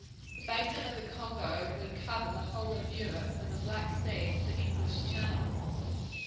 The basin of the Congo would cover the whole of Europe from the Black Sea to the English Channel.